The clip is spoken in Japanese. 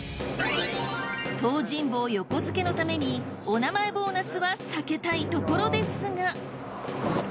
東尋坊横付けのためにお名前ボーナスは避けたいところですが。